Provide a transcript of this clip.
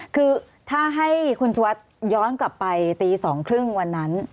คือถ้าให้คุณสุวัสดิ์ย้อนกลับไปตี๒๓๐วันนั้น